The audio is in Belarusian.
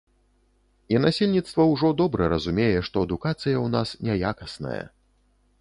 І насельніцтва ўжо добра разумее, што адукацыя ў нас няякасная.